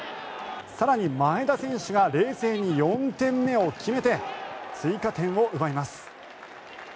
更に前田選手が冷静に４点目を決めて追加点を奪います。